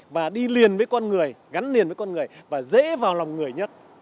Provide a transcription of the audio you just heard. và đi liền với con người gắn liền với con người và dễ vào lòng người nhất